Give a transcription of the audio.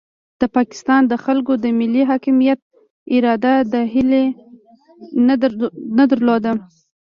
د پاکستان د خلکو د ملي حاکمیت اراده دا هیله نه درلوده.